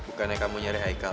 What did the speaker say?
kebukaannya kamu nyari haikal